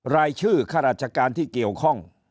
รายชื่อข้าราชการที่เกี่ยวข้อง